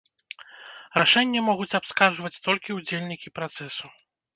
Рашэнне могуць абскарджваць толькі ўдзельнікі працэсу.